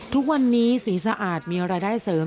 ทุกวันนี้สีสะอาดมีรายได้เสริม